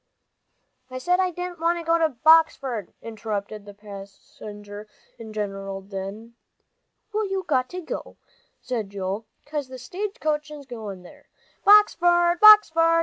"I said I didn't want to go to Boxford," interrupted the passenger in the general din. "Well, you've got to," said Joel, "'cause the stage is goin' there. Boxford Boxford!